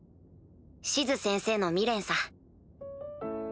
シズ先生の未練さ。